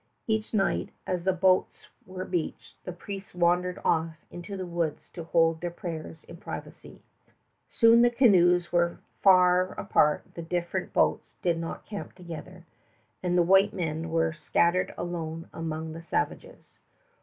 Each night, as the boats were beached, the priests wandered off into the woods to hold their prayers in privacy. Soon the canoes were so far apart the different boats did not camp together, and the white men were scattered alone among the savages.